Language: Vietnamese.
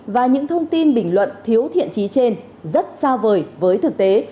và những thông tin bình luận thiếu thiện trí trên rất xa vời với thực tế